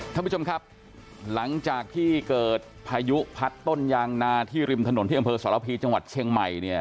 ท่านผู้ชมครับหลังจากที่เกิดพายุพัดต้นยางนาที่ริมถนนที่อำเภอสรพีจังหวัดเชียงใหม่เนี่ย